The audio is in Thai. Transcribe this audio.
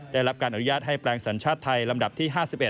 ได้รับการอนุญาตให้แปลงสัญชาติไทยลำดับที่๕๑